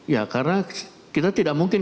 ya karena kita tidak mungkin